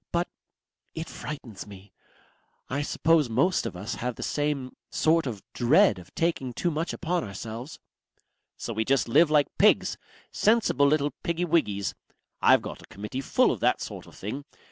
But ... it frightens me. I suppose most of us have this same sort of dread of taking too much upon ourselves." "So we just live like pigs. Sensible little piggywiggys. I've got a Committee full of that sort of thing.